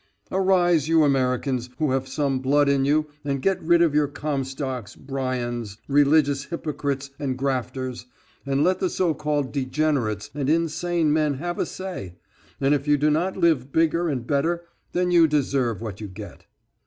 Arise you Americans who have some blood in you and get rid of your Comstocks, Bryans, religious hypocrites and grafters, and let the so called degenerates and insane men have a say, and if you do not live bigger and better, then you deserve what you get.